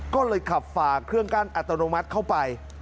ก็เลยขับฝากเครื่องกั้นอัตโนมัติเข้าไป